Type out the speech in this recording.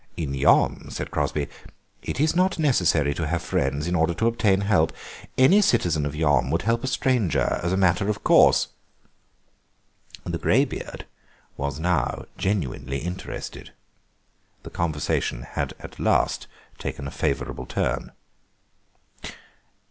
"In Yom," said Crosby, "it is not necessary to have friends in order to obtain help. Any citizen of Yom would help a stranger as a matter of course." The greybeard was now genuinely interested. The conversation had at last taken a favourable turn.